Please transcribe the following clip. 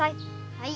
はい。